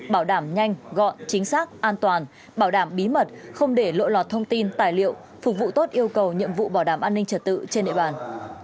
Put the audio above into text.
bảo đảm nhanh gọn chính xác an toàn bảo đảm bí mật không để lộ lọt thông tin tài liệu phục vụ tốt yêu cầu nhiệm vụ bảo đảm an ninh trật tự trên địa bàn